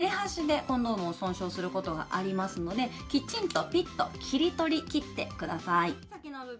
ここが残っているとその切れ端でコンドームを損傷することがありますのできちんとピッと切り取りきってください。